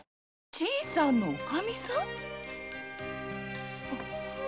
新さんのおかみさん？